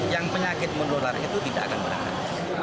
yang penyakit menular itu tidak akan berangkat